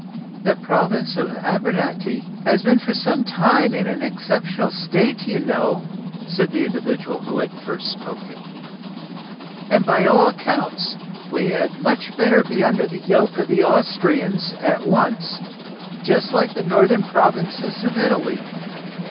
"The province of Abrantani has been for some time in an exceptional state, you know," said the individual who had first spoken; "and by all accounts, we had much better be under the yoke of the Austrians at once—just like the northern provinces of Italy.